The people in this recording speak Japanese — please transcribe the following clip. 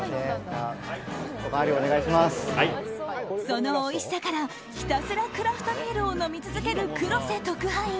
そのおいしさからひたすらクラフトビールを飲み続ける黒瀬特派員。